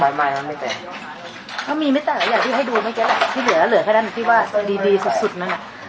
แล้วมีไม่แต่หลายอย่างที่ให้ดูไหมครับที่เหลือเหลือแค่นั้นที่ว่าดีสุดนั้น